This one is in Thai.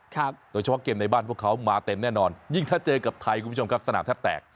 โดยเฉพาะเกมในบ้านพวกเขามาเต็มแน่นอนยิ่งถ้าเจอกับไทยคุณผู้ชมครับสนามแทบแตก